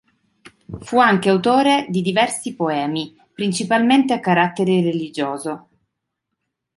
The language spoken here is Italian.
Fu anche autore di diversi poemi, principalmente a carattere religioso.